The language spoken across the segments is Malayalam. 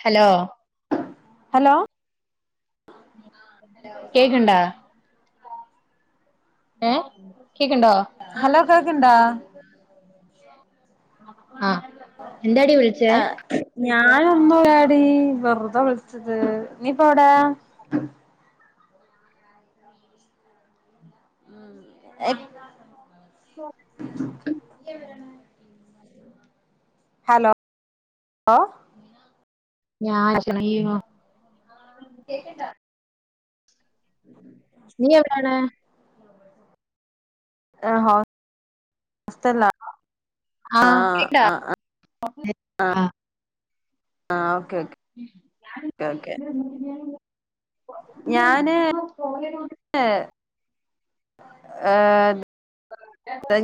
ഹലോ ഹലോ കേക്ക്ണ്ടാ ഏ കേക്ക്ണ്ടോ ഹലോ കേക്ക്ണ്ടാ ആഹ് ആഹ് ഞാനൊന്നുല്ലാടി വെർത വിൾച്ചത് നീപ്പവ്ടേ ഇപ് [unintelligible] എവിടാണ് ഹലോ ഓഹ് ഞാൻ [unintelligible] കേക്ക്ണ്ടാ നീ എവ്ടാണ് ഞാൻ ഹോസ്റ്റൽലാ ആ ആഹ് കേക്ക്ണ്ടാ ആഹ് ആഹ് ആഹ് ആ ആഹ് ഓക്കെ ഓക്കെ ഓക്കെ ഓക്കെ [unintelligible] ചുമ്മാ പോയതോണ്ട് ഏഹ് ഏഹ്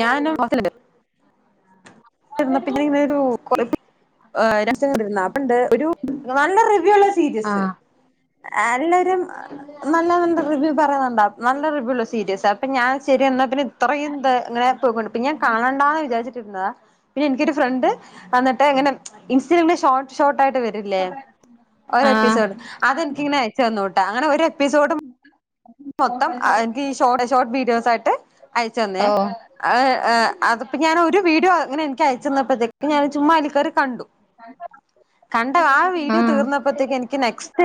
ഞാന് [unintelligible] പിന്നെ ഇങ്ങനെരു കൊറേ പേ രസണ്ട് [unintelligible] ഒരു നല്ല റിവ്യൂ ഉള്ള സീരിയസ് എല്ലാരും നല്ല നല്ല റിവ്യൂ പറയുന്നുണ്ടാവും നല്ല റിവ്യൂള്ള സീരിയസ് അപ്പം ഞാൻ ശരി എന്നാ പിന്നെ ഇത്രയും ത് അങ്ങനെ പോകുണ്ട് പിന്നെ ഞാൻ കാണാണ്ടാന്ന് വിചാരിച്ചിട്ടിരുന്നതാ പിന്നെ എനിക്കൊരു ഫ്രണ്ട് വന്നിട്ട് ഇങ്ങനെ ഇൻസ്റ്റേൽ ഷോർട്ട് ഷോർട്ടായിട്ട് വെ ര്ലേ ആ ആ ഒരെപ്പിസോട് അതെൻക്ക് ഇങ്ങനെ അയച്ചു തന്നുട്ടോ അങ്ങനെ ഒരെപ്പിസോട് മൊത്തം എനിക്ക് ഷോർട്ട് ഷോർട്ട് വീഡിയോസായിട്ട് അയച്ചു തന്നേ ഓ അത്പ്പോ ഞാൻ ഒരു വീഡിയോ അങ്ങനെ എനിക്ക് അയച്ച് തന്നപ്പോഴത്തേക്ക് ഞാൻ ചുമ്മാ അതിൽക്കേറി കണ്ടു കണ്ട ആ വീഡിയോ തീർന്നപ്പോത്തേക്ക് എനിക്ക് നെക്സ്റ്റ്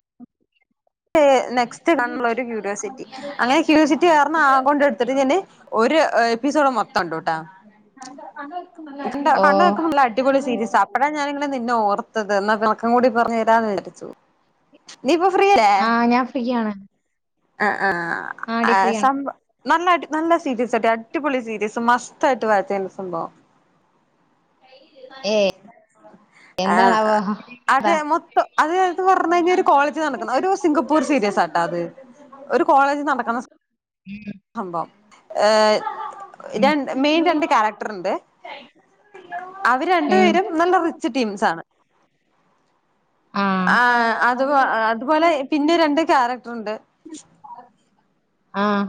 നെക്സ്റ്റ് കാണള്ള ഒരു ക്യൂരിയോസിറ്റി അങ്ങനെ ക്യൂരിയോസിറ്റി കാരണം ആ കൊണ്ടെട് ഇത്രതിന് ഒരു എപ്പിസോഡ് മൊത്തം കണ്ടുട്ടാ കണ്ടോ അതെ കണ്ട കണ്ട് നിക്ക്മ്പൊ അടിപൊളി സീരിയസാ അപ്പഴാ ഞാനിങ്ങനെ നിന്നെ ഓർ ത്തത് എന്നാ വിളക്കം കൂടി പറഞ്ഞു തരാന്ന് വിചരിച്ചു നീ ഇപ്പൊ ഫ്രീ അല്ലേ ആ ഞാൻ ഫ്രീയാണ് ആഹ് ആഹ് ആടി ആ ഫ്രീയാണ് സം നല്ല അടി നല്ല സീരീസാടി അടിപൊളി സീരീസ് മസ്റ്റായിട്ട് വാച്ചെയ്യണ്ട സംഭവം ഏ [unintelligible] ആഹ് എന്താണാവോ അത് അതാ മൊത്തം അത് ന്ന് പറഞ്ഞ് കഴിഞ്ഞാ ഒരു കോളേജ് നടക്കുന്ന ഒരു സിംഗപ്പൂർ സീരിയസാട്ടോ അത് ഒരു കോളേജ് നടക്ക്ണ സം ആഹ് ഭവം ഏഹ് ഉം ര മെയിൻ രണ്ട് ക്യാരക്ടർണ്ട് അവര് ഉം രണ്ടുപേരും നല്ല റിച്ച് ടീംസാ ണ് ആ ആഹ് അത് അതുപോലെ പിന്നെ രണ്ട് ക്യാരക്ടർണ്ട് ആഹ്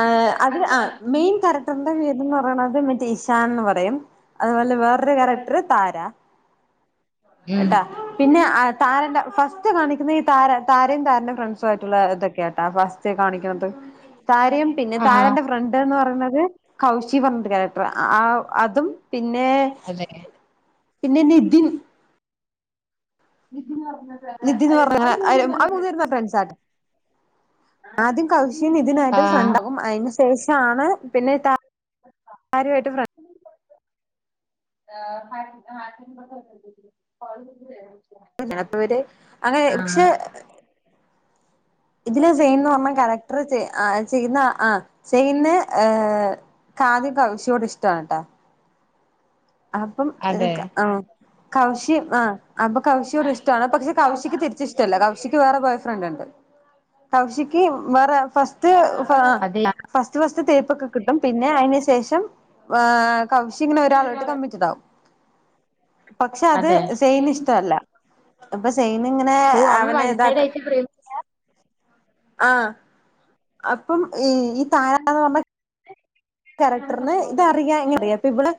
ആഹ് അത് ആ മെയിൻ ക്യാരക്ടറിന്റെ പേര്ന്ന് പറയ്ണത് ജെഷാന്ന് പറയും അത്പോലെ വേറൊരു ക്യാരക്ടർ താരാ ഉം ട്ടാ പിന്നെ അ താരന്റെ ഫസ്റ്റ് കാണിക്കുന്ന ഈ താര താരയും താരന്റെ ഫ്രണ്ട്സു ആയിട്ടുള്ളതൊക്കെട്ടാ ഫസ്റ്റ് കാണിക്കുന്നത് താരയും പിന്നെ ആഹ് താരന്റെ ഫ്ര ണ്ട്ന്ന് പറയുന്നത് കൗശി പറഞ്ഞരു ക്യാറക്ടർ ആ അതും പിന്നെ അതെ പിന്നെ നിതിൻ നിതി ന്ന്‌ പറഞ്ഞ നിതിന്ന് പറഞ്ഞ അവര് മൂന്ന് പേരും നല്ല ഫ്രണ്ട്സാര്ന്ന് ആദ്യം കൗശിൻ നിതിനായിട്ടും ആഹ് ഫ്രണ്ടാവും അതിന് ശേഷാണ് പിന്നെ താ ആരു ആയിട്ട് ഫ്ര [inaudible] അതിനാത്തവര് അങ്ങനെ പക്ഷെ ഇതില് സെയിന്ന് പറഞ്ഞ കറക്ടർ ചെയ്യുന്ന ആ സെയിന്ന് ഏഹ് കാദി കൗശിയോട് ഇഷ്ടാണ്ട്ട്ടാ അപ്പം ഇത് അതെ കാ ആഹ് കൗശി ആ അപ്പൊ കൗശിയോട് ഇഷ്ടാണ് പക്ഷെ കൗശിക്ക് തിരിച്ചിഷ് ഇഷ്ടല്ല കൗശിക്ക് വേറെ ബോയ് ഫ്രണ്ട്ണ്ട് കൗശിക്ക് വേറെ ഫസ്റ്റ് ത് ഫാ അത് ഫസ്റ്റ് ഫസ്റ്റ് തേപ്പൊക്കെ കിട്ടും പിന്നെ അതിനു ശേഷം ആഹ് കൗശിങ്ങനെ ഒരാൾ ട്ത് കമ്മിറ്റടാവും പക്ഷെ അത് അതെ സെയിന് ഇഷ്ട്ടല്ലാ അപ്പൊ സെയിൻങ്ങനെ ഓ അവൻ അവനെ വൺ സൈഡ് ഇതാക്ക ആയിട്ട് പ്ര ആഹ് അപ്പം ഈ താരന്ന് പറഞ്ഞ ക്യാരക്ടർന് ഇത് അറിയാം ഇങ്ങനെ അറിയാം അപ്പൊ ഇവള്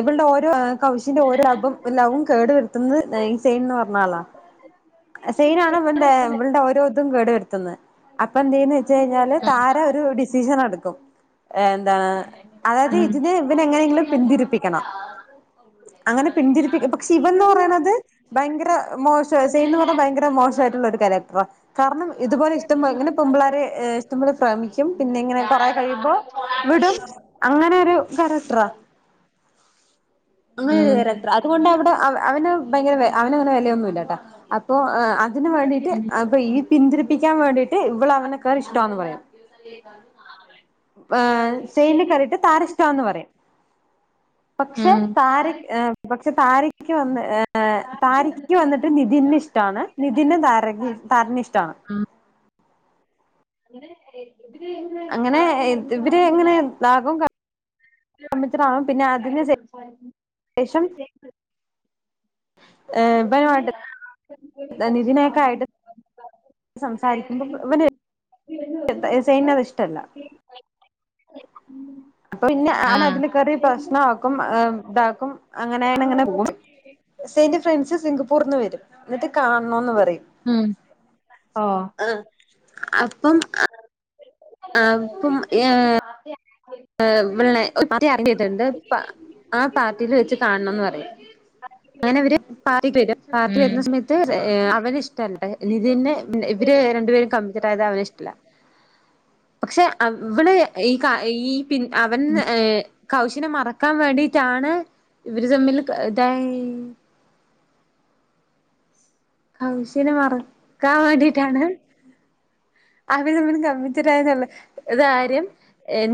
ഇവള്ടെ ഓരോ കൗശിന്റെ ഓരോ ലബും ലൗവും കേടു വരുത്തുന്നത് സെയിൻന്ന് പറഞ്ഞ ആളാ സെയിനാണ് വൻ്റെ വളടെ ഓരോതും കേടു വരുത്തുന്നത് അപ്പൊ എന്ത ചെയന്ന് ച്ചെഴിഞ്ഞാല് താര ഒരു ഡിസിഷൻ എടുക്കും എന്താ അതായത് ഉം ഉം ഇതിനെ ഇവനങ്ങനെങ്കിലും പിന്തിരിപ്പിക്കണം അങ്ങനെ പിന്തിരിപ്പിക്ക് പക്ഷെ ഇവന്ന് പറയണത് ഭയങ്കര മോശം സൈൻന്ന് പറഞ്ഞ ഭയങ്ക ങ്കര മോശായിട്ടുള്ളരു ക്യാരക്ടറാ കാരണം ഇതുപോലെ ഇഷ്ടം പോലെ ങ്ങനെ പെൺപിള്ളാരെ ഇഷ്ടംപോലെ പ്രേമിക്കും പിന്നെ ഇങ്ങനെ കുറേ കഴിയുമ്പോ വിടും അങ്ങനൊരു കാരക്ട്റാ അങ്ങനെ ഒരു കാരക്ടറാ അതുകൊണ്ട് അവിടെ അവന് ഭയങ്കര വെ അവനങ്ങനെ വെലയൊന്നുംല്ലാട്ടാ അപ്പൊ അതിന് വേണ്ടിട്ട് അപ്പൊ ഈ പിന്തിരിപ്പിക്കാൻ വേണ്ടിട്ട് ഇവള അവനെ കേറി ഇഷ്ടാന്ന് പറയും ആ സെയ്‌ന് താരഷ്ട്ടാന്ന് പറയും ഉം പക്ഷെ ഉം താര പക്ഷെ താരയ്ക്ക് വന്ന് താരക്ക് വന്നിട്ട് നിധിനെ ഇഷ് ഷ്ടാണ് നിതിന് താരക താരെനെ ഇഷ്ടാണ് ങ്ങനെ ഇവര് ഇങ്ങനെ ലാകും പറഞ്ഞിട്ട് ആവും പിന്നെ ലാകും ക ത്രാവും പിന്നെ അതിന് ശേഷം അപ്പൊ പിന്നെ ഇവനുമായിട്ട് [unintelligible] നിതിനൊക്കെ പ്രശ്നമാകും ആയിട്ട് [unintelligible] സംസാരിക്കുമ്പോ ഇവന് സെയിന്നത് ഇഷ്ടല്ല [inaudible] അപ്പൊ പിന്ന അവൻ ആഹ് അതില് കേറി പ്രശ്നാക്കും ഇതാക്കും അങ്ങനെ ഇങ്ങനെ ഇങ്ങനെ പോകും സെയിന്റെ ഫ്രണ്ട്സ് സിംഗപ്പൂർന്ന് വരും എന്നിട്ട് കാണണോന്ന് പറയും ആഹ് അപ്പം അപ്പം ഏ പിന്നെ ഒറ്റ ആക്കിയിട്ടുണ്ട് ആ പാർട്ടിൽ വെച്ച് കാണണംന്ന് പറയും അങ്ങനെ അവര് പാർട്ടിക്ക് വരും പാർട്ടി ഉം വരുന്ന സമയത്ത് അവര് ഇഷ്ടണ്ട് നിധി ന്ന് ഇവര് രണ്ട്പേരും കമ്മിറ്റടായത് അവന് ഷ് ല്ല പക്ഷെ ഇവള് ഈ കാ ഈ പി അവൻ കൗശിനെ മറക്കാൻ വേണ്ടിട്ടാണ് ഇവര് തമ്മിൽ ടൈ കൗശിനെ മറക്കാൻ വേണ്ടിട്ടാണ് അവര് തമ്മിൽ കമ്മിറ്റ്ടായിന്ന്ള്ള ഇ കാര്യം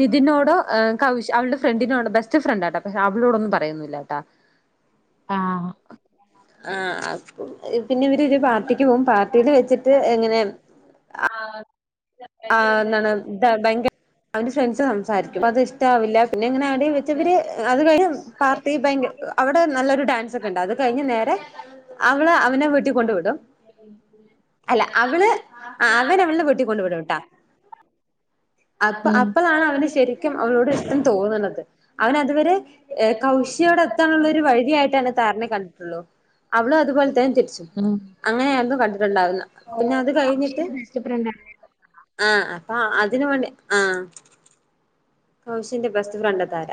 നിധിനോടോ കൗ അവളുടെ ഫ്രണ്ടിനോട് ബെസ്റ്റ് ഫ്രെണ്ടാട്ട അപ്പൊ ഷാബിളോടൊന്നും പറയുന്നില്ലാട്ടാ ആഹ് ആഹ് അപോ ഇ പിന്നെ ഇവരൊരു പാർട്ടിക്ക് പോവും പാർട്ടിയിൽ വെച്ചിട്ട് എങ്ങനെ ആഹ് ആ ന്താണ് ഇ ഭയങ്കര അവന്റെ ഫ്രണ്ട്സ് സംസാരിക്കും അത് ഇഷ്ടാവില്ല പിന്നെ എങ്ങനെ ആടെ വെച്ചവര് അത് കഴിഞ്ഞ പാർട്ടി ഭയങ്ക അവിടെ നല്ലൊരു ഡാൻസ് ഒക്കെ ഉണ്ട് അത് കഴിഞ്ഞ് നേരെ അവള് അവനെ വീട്ടിക്കൊണ്ട് വിടും അല്ല അവള് ആ അവന് അവളെ വീട്ടി കൊണ്ടവിടും ട്ടാ അപ്പ അപ്പളാണ് അവന് ശരിക്കും അവളോട് ഇഷ്ടം ഉം തോന്ന്ണത് അവനതുവരെ എ കൗശിയോടെ എത്താനുള്ള ഒരു വഴിയായിട്ടാണ് താരനെ കണ്ടിട്ടൊള്ളൂ അവളും അതുപോലെ തന്നെ തിരിച്ചു ഉം. അങ്ങനെയായിരുന്നു കണ്ടിട്ടുണ്ടായിര്ന്ന് പിന്നെ അത് കഴിഞ്ഞിട്ട് ചപ്രണ്ട [inaudible] ആഹ് അപ്പൊ അതിന് വേണ്ടി ആഹ് കൗശിന്റെ ബെസ്റ്റ് ഫ്രണ്ട താര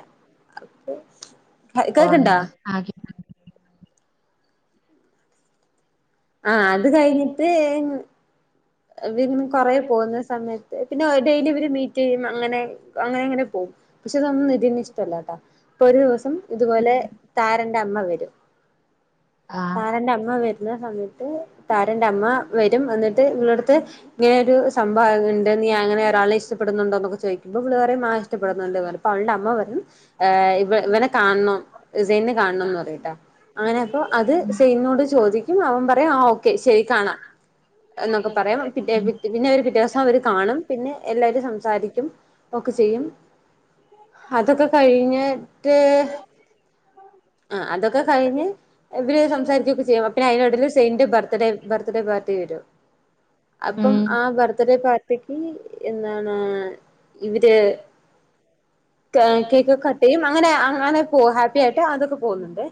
ഓഹ് കേൾക്കണ്ടാ ആ ആഹ് അത് കഴിഞ്ഞിട്ട് പി കൊറ പോന്ന് സമയത്ത് പിന്നെ ഓ ഡെയിലി ഇവര് മീറ്റ് ചെയ്യും അങ്ങനെ അങ്ങനെ അങ്ങനെ പോകും പക്ഷെ ഇതൊന്നും നിധി ന്ന് ഇഷ്ടല്ലാട്ടാ ഒരു ദിവസം ഇതുപോലെ താരന്റെ അമ്മ വരും താാരന്റെ അമ്മ ആഹ്. വരുന്ന സമയത്ത് ത് താരന്റെ അമ്മ വരും എന്നിട്ട് ഇവിളെടുത്ത് ഇങ്ങനെരു സംഭവംണ്ട് ഞാൻ ഇങ്ങനെ ഒരാള ഇഷ്ടപ്പെടുന്നുണ്ടോന്നൊക്കെ ചോയിക്കുമ്പോ ഇവള് പറയും ആ ഇഷ്ടുന്നുണ്ട് പറിം അപ്പൊ അവളുടെ അമ്മ പറിം ഇവ ഇവനെ കാണണം സെയ്നെ കാണണംന്ന് പറയിട്ടാ അങ്ങനെ അപ്പൊ അത് ഉം സെയിന്നോട് ചോദിക്കും അവൻ പറയും ആ ഓക്കെ ശെരി കാണാ എന്നൊക്കെ പറയും പി ഉം പിന്നെ അവര് പിറ്റേ ദിവസം അവര് കാണും പിന്നെ എല്ലരും സംസാരിക്കും ഒക്കെ ചെയ്യും അതൊക്കെ കഴിഞ്ഞിട്ട് ആഹ് അതൊക്കെ കഴിഞ്ഞ് ഇവര് സംസാരിരിക്കുകൊക്കെ ചെയ്യും പിന്നെ അയിൻ്റെയെടീൽ സെയ്ൻ്റെ ബർഡേ ബർത്ത്ഡേ പാർട്ടി വരും ഉം അപ്പം ഉം. ആ ബർത്ത്ഡേ പാർ ർട്ടിക്ക് എന്താണ് ഇവര് ക കേക്ക ട്ട് യും അങ്ങനെ അങ്ങനെ പോ ഹാപ്പി ആയിട്ട് അതൊക്കെ പോകുന്നുണ്ട്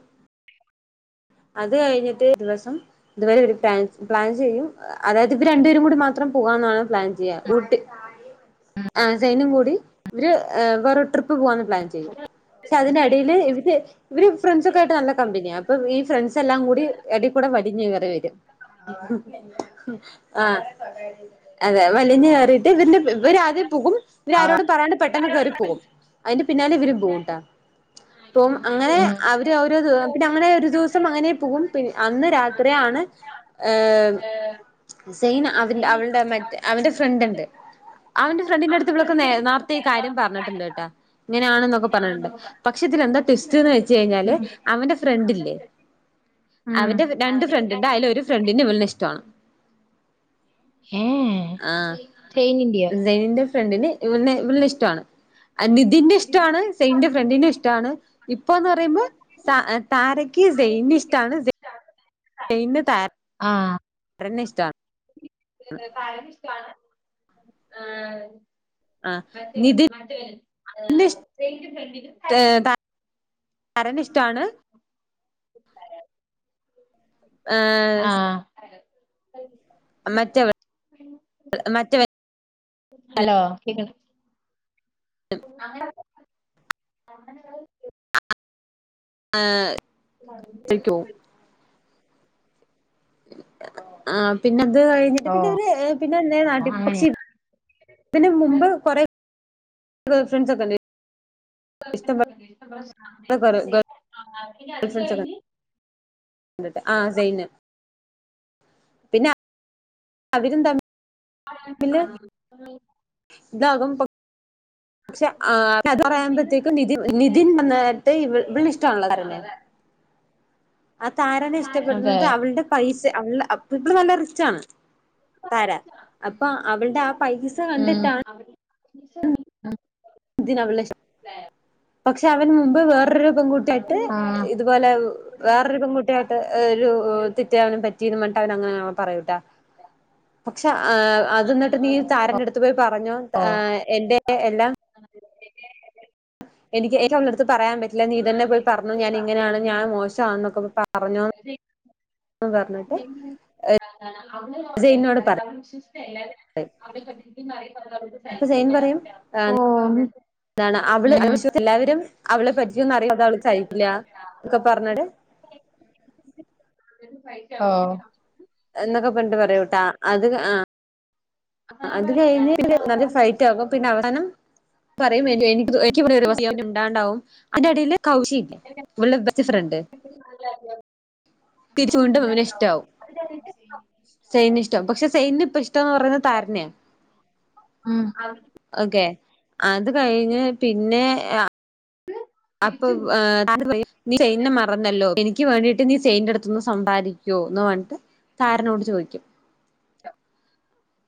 അത് കഴിഞ്ഞിട്ട് ദിവസം ഇതുവരെ ഒരു പ്ലാ പ്ലാൻ ചെയ്യും അതായത് ഇവര് രണ്ടുപേരും കൂടി മാത്രം പോകാന്നാണ് പ്ലാൻ ചെയ്യ ഊട്ട് ആ സൈനും കൂടി ഇവര് ഏ വേ ട്രിപ്പ് പ്പ് പോവാന്ന് പ്ലാൻ ചെയ്യും പക്ഷെ അതിന്റെടയില് ഇവര് ഇവര് ഫ്രണ്ട്സൊക്കെ ആയിട്ട് നല്ല കമ്പനിയാ അപ്പൊ ഈ ഫ്രണ്ട്സ് എല്ലാം കൂടി എടേ കൂടെ വലിഞ്ഞു കേറി വരും ആ അതെ വലിഞ്ഞ് കയറിയിട്ട് ഇതിന്റെ ഇവരാദ്യം പോകും ഇവര് ആരോടും പറയിണ്ട് പെട്ടെന്ന് കേറി പോകും അതിന്റെ പിന്നാലെ ഇവരും പോകട്ടാ അപ്പം അങ്ങനെ ഉം അവര് അവരത് പിന്നെ അങ്ങനെ ഒരു ദിവസം അങ്ങനെ പോകും പിന്നെ അന്ന് രാത്രിയണ് ഏ സെയിം അവ അവളുടെ മറ്റേ അവന്റെ ഫ്രണ്ട് ഉണ്ട് അവന്റെ ഫ്രണ്ടിൻ്റടുത്ത് ഇവിളക്കൊ നേരുത്തെ ഈകാര്യം പറഞ്ഞിട്ടുണ്ട് കേട്ടാ ഇങ്ങനാണെന്നൊക്കെ പറഞ്ഞിട്ട് ണ്ട് പക്ഷെ ഇതിലെന്താ ട്വിസ്റ്റ്ന്ന് വെച്ച് കയിഞ്ഞാല് ഉം അവന്റെ ഫ്രണ്ടില്ലേ അവന്റെ രണ്ട് ഫ്രണ്ട് ഇണ്ട് അയില് ഒരു ഫ്രണ്ടിന് ഇവളെ ഇഷ്ടാണ് ഏഹ് ആ ചെയിനിന്റെയോ നിന്റെ ഫ്രണ്ടിന് ഇവളെ ഇഷ്ടാണ് നിതിന് ഇഷ്ടാണ് സെയിന്റെ ഫ്രണ്ടിനെ ഇഷ്ടാണ് ഇപ്പ എന്ന് പറയുമ്പോ താര താര അർജ്ജുനെ ഇഷ്ടാണ് ചെയിന് താ താരന്നെ ഇഷ്ടാണ് കാര്യം ഇഷ്ടാണ് ആഹ് ആഹ് നിതിന് ഇഷ് [inaudible] താരനെ ഇഷ്ടാണ് [inaudible] ഏഹ് ആഹ് മറ്റവൾ മറ്റവൻക്ക് ഹലോ കേൾ അങ്ങനെ അങ്ങന ആഹ് [inaudible] ആ പിന്നെ അത് കഴിഞ്ഞിട്ട് ഓ പിന്നെ അവര് പിന്നൊ നാട്ടില് അങ്ങനെ ഇതിന് മുമ്പ് കൊറെ ഫ്രണ്ട്സ് ഒക്കെ ഉണ്ടായി ഇഷ്ടംപോലെ ഗേൾ [inaudible] ആ സൈന് പിന്നെ അവരും തമ്മി [inaudible] ഇത് അവൻ പൊ പക്ഷെ ആ അത് പറയുമ്പോഴത്തേക്കും നി നിധിൻ വന്നിട്ട് ഇവളെ ഇഷ്ടാണ് പറയുന്നെ ആ താരനെ അതെ. ഇഷ്ടപ്പെടുന്നത് അവളുടെ പൈസ അവള് ഇപ്പോ നല്ല റിച്ച് ആണ് താരാ അപ്പൊ അവളുടെ ആ പൈസ ഉം കണ്ടിട്ടാണ് [unintelligible] പക്ഷെ അവൻ മുമ്പ് വേറൊരു പെൺകുട്ടിയായിട്ട് ആഹ് ഇതുപോലെ വേറൊരു പെൺകുട്ടിയായിട്ട് ഒരു തെറ്റ് അവനും പറ്റീരുന്ന എന്നിട്ട് അവന് അങ്ങനെ പറയൂട്ടാ പക്ഷെ ആ അത് എന്നിട്ട് നീ താരന്റെ അടുത്ത് പോയി പറഞ്ഞോ ഓ എന്റെ എല്ലാം [inaudible] എനിക്ക് ഇത് അവളടുത്ത് പറയാൻ പറ്റില്ല നീ ഇ തന്നെ പോയി പറഞ്ഞോ ഞാന് ഇങ്ങനെയാണ് ഞാൻ മോശാ എന്നൊക്കെ പറഞ്ഞോന്ന് സെയ്നോട് പറയും [inaudible] [inaudible] അപ്പൊ ജൈൻ പറയും ഓ എന്താണ് അവള് ഉം. എല്ലാവരും അവളെ പറ്റിയൊന്നും അറിയാതെ അവള് കഴിക്കില്ല ഒക്കെ പറഞ്ഞിട് ഓഹ് എന്നൊക്കെ പണ്ട് പറയൂട്ടാ അത് ആ അത് കഴിഞ്ഞ് നല്ല ഫയി റ്റാവും പിന്നെ അവസാനം പറയും എനി എനിക്ക് [unintelligible] ഇണ്ടാണ്ടാവും അതിന്റെടേയില് കൗശില്ലേ അവളുടെ ബെസ്റ്റ് ഫ്രണ്ട് തിരിച്ച് വീണ്ടും [inaudible] സൈൻ ഇഷ്ടം പക്ഷെ സൈൻ ഇപ്പ ഇഷ്ടംന്ന് പറയുന്നെ താരനെയാ ഓക്കെ അത് കഴിഞ്ഞ് പിന്നെ അപ്പൊ ആഹ് [unintelligible] പറഞ്ഞല്ലോ എനിക്ക് വേണ്ടീട്ട് നീ സെയിൻറ അടുത്തുന്ന് സമ്പാദിക്കുവോ എന്ന് പറഞ്ഞിട്ട് സാരനോട് ചോദിക്കും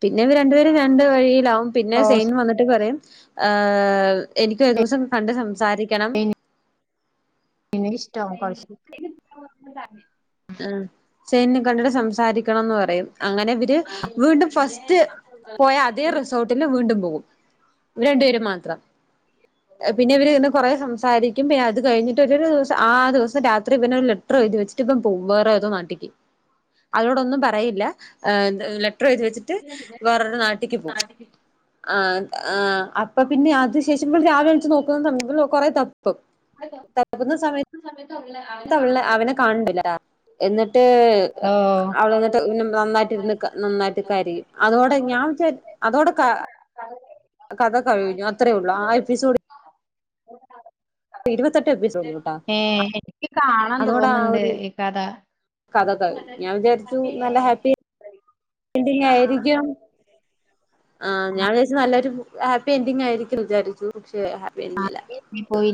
പിന്നെ ഇവർ രണ്ടുപേരും രണ്ട് വഴിയിലാവും പിന്നെ സെയിൻ വന്നിട്ട് പറയും എനിക്കൊരു ദിവസം കണ്ട് സംസാരിക്കണം എന്നിട്ട് ഇഷ്ടാവും ആ സെയ്ൻ കണ്ടിട്ട് സംസാരിക്കണന്ന് പറഞ്ഞ അങ്ങനെ ഇവർ വീണ്ടും ഫസ്റ്റ് പോയ അതേ റിസോർട്ട ഇതല്ല വീണ്ടും പോകും ഇവർ രണ്ടുപേരും മാത്രം പിന്നെ ഇവർ ഇന്ന് കുറേ സംസാരിക്കും പിന്നെ അത് കഴിഞ്ഞിട്ട് ഒരു ദിവസം ആ ദിവസം രാത്രി പിന്നെ ഒരു ലെറ്റർ എഴുതു വച്ചിട്ട് ഇവൻ വേറെ ഏതോ നാട്ടിക്ക് അതോടൊന്നും പറയില്ല ലെറ്റർ എഴുത് വെച്ചി വേറൊരു നാട്ടിൽക്ക് പോകും ആഹ് ആഹ് അപ്പൊ പിന്നെ അത് ശേഷം ഇവൾ രാവിലെ എണീച്ച് നോക്കുന്ന സമയത്ത് കൊറെ തപ്പും ആഹ് അതെ കറക്ട സമയത്ത് ഉള്ള ഒന്ന് അവനെ കാണണ്ടില്ല എന്നിട്ട് അവൾ എന്നിട്ട് പിന്നെ നന്നായിട്ട് ഇരുന്ന് നന്നായിട്ട് കരയും അതോടെ ഞാൻ അതോടെ കഥ കഴിഞ്ഞു അത്രേ ഉള്ളൂ ആ എപ്പിസോഡ് ഇരുപത്തെട്ട് എപ്പിസോഡ് കേട്ടാ ഏ എനിക്ക് കാണാൻ അതോടെ ആ തോന്നുന്നുണ്ട് ഒരു ഈ കഥ കഥ ഞാൻ വിചാരിച്ചു നല്ല ഹാപ്പി എൻഡിങ് ആയിരിക്കും ആ ഞാൻ വിചാരിച്ചു നല്ലൊരു ഹാപ്പി എൻഡിങ് ആയിരിക്കും വിചാരിച്ചു പക്ഷെ ഹാപ്പി എൻഡിങ് അല്ല പോയി